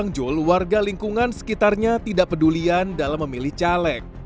keluarga lingkungan sekitarnya tidak pedulian dalam memilih caleg